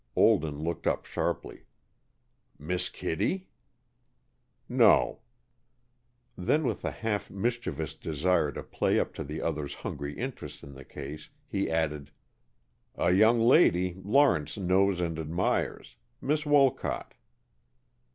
Olden looked up sharply. "Miss Kittie?" "No." Then, with a half mischievous desire to play up to the other's hungry interest in the case, he added, "A young lady Lawrence knows and admires. Miss Wolcott."